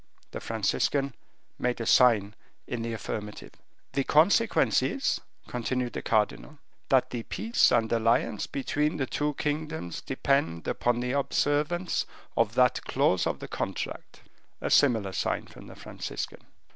The Franciscan made a sign in the affirmative. "The consequence is," continued the cardinal, "that the peace and alliance between the two kingdoms depend upon the observance of that clause of the contract." A similar sign from the Franciscan.